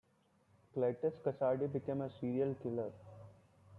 Cletus Kasady became a serial killer.